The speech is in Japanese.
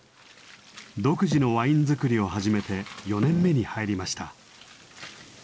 独自のワイン造りを始めて４年目に入りました。